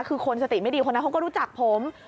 คือคนสติไม่ดีคนนั้นเขาก็รู้จักผม